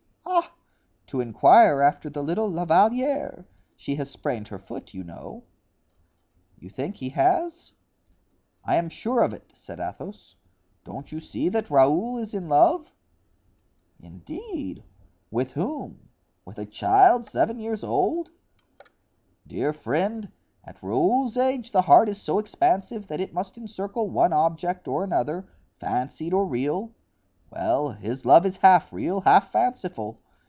"Ah, to inquire after the little La Valliere; she has sprained her foot, you know." "You think he has?" "I am sure of it," said Athos; "don't you see that Raoul is in love?" "Indeed! with whom—with a child seven years old?" "Dear friend, at Raoul's age the heart is so expansive that it must encircle one object or another, fancied or real. Well, his love is half real, half fanciful.